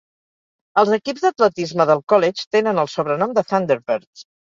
Els equips d'atletisme del college tenen el sobrenom de Thunderbirds.